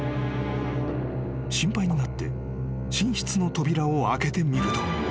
［心配になって寝室の扉を開けてみると］